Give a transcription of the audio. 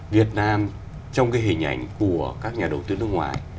việt nam trong cái hình ảnh của các nhà đầu tư nước ngoài